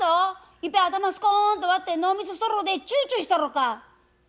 いっぺん頭スコーンと割って脳みそストローでチューチューしたろか。